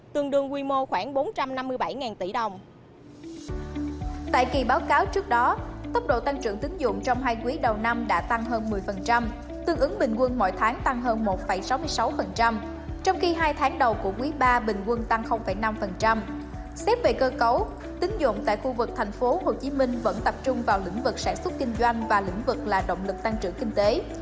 tiếp về cơ cấu tính dụng tại khu vực thành phố hồ chí minh vẫn tập trung vào lĩnh vực sản xuất kinh doanh và lĩnh vực là động lực tăng trưởng kinh tế